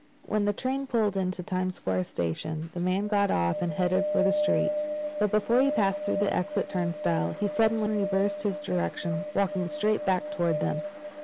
When the train pulled into the Times Square station the man got off and headed for the street. But before he passed through the exit turnstile he suddenly reversed his direction, walking straight back toward them.